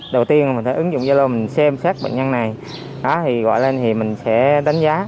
đầu tiên mình thấy ứng dụng gia lô mình xem xét bệnh nhân này thì gọi lên thì mình sẽ đánh giá